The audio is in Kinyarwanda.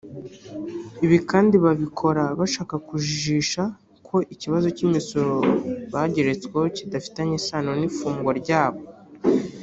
Ibi kandi babikora bashaka kujijisha ko ikibazo cy’imisoro bageretsweho kidafitanye isano n’ifungwa ryabo